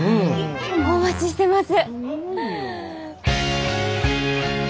お待ちしてます。